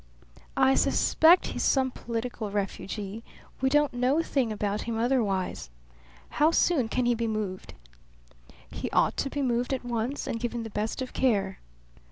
"I suspect he's some political refugee. We don't know a thing about him otherwise. How soon can he be moved?" "He ought to be moved at once and given the best of care."